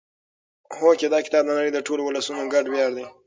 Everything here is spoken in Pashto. هوکې دا کتاب د نړۍ د ټولو ولسونو ګډ ویاړ دی.